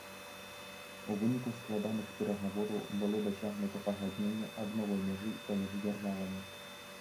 У выніку складаных перагавораў было дасягнута пагадненне аб новай мяжы паміж дзяржавамі.